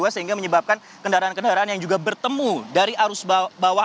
sehingga menyebabkan kendaraan kendaraan yang juga bertemu dari arus bawah